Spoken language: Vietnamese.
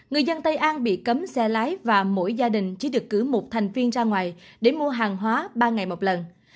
người dân tây an bị cấm xe lái và mỗi gia đình chỉ được cử một thành viên ra ngoài để mua hàng hóa ba ngày một lần